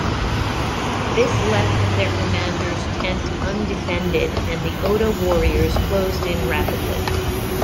This left their commander's tent undefended, and the Oda warriors closed in rapidly.